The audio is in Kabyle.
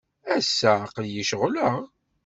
Ass-a, aql-iyi ceɣleɣ.